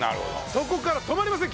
そこから止まりません！